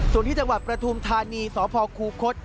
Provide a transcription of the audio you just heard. ส่วนที่จังหวัดประทุมธานีสพคูคศ